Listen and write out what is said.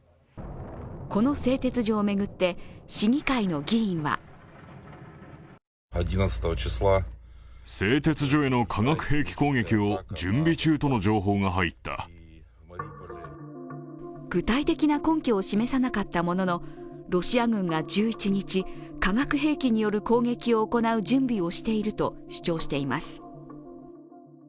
この製鉄所を巡って市議会の議員は具体的な根拠を示さなかったものの、ロシア軍が１１日化学兵器による攻撃を行う準備をしていると主張しています。